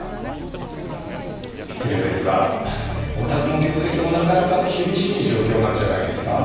失礼ですがおたくの業績もなかなか厳しい状況なんじゃないですか？